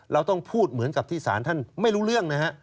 เราต้องพูดเหมือนกับที่สารท่านไม่รู้เรื่องนะฮะ